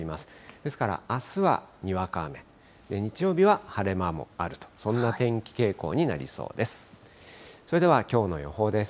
ですから、あすはにわか雨、日曜日は晴れ間もあると、そんな天気傾向になりそうです。